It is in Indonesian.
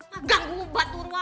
ma ganggu ubat tur wae